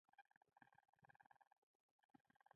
د نرښځیانو ټولنې لپاره په یوه ځانګړي روزنیز پروګرام کې